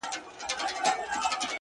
• خدایه نور یې د ژوندو له کتار باسه،